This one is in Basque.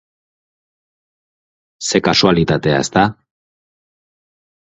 Zer kasualitatea, ezta?